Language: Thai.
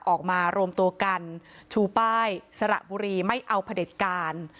ออกมารวมตัวกันชูป้ายสระบุรีไม่เอาพระเด็จการ